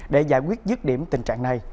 để giải quyết dứt điểm tình trạng này